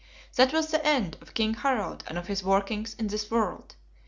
That was the end of King Harald and of his workings in this world.